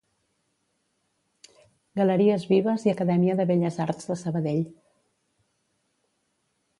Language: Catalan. Galeries Vives i Acadèmia de Belles Arts de Sabadell.